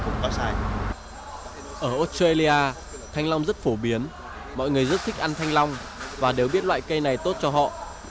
người việt nam rất đáng tin tưởng mọi người rất thích ăn thanh long và đều biết loại cây này tốt cho họ